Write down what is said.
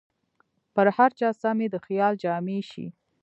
پر هر چا سمې د خیال جامې شي